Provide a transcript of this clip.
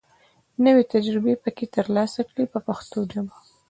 نوې تجربې پکې تر لاسه کړي په پښتو ژبه.